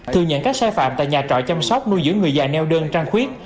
thừa nhận các sai phạm tại nhà trọ chăm sóc nuôi giữ người già neo đơn trăng khuyết